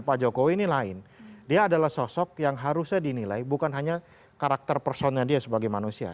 pak jokowi ini lain dia adalah sosok yang harusnya dinilai bukan hanya karakter personnya dia sebagai manusia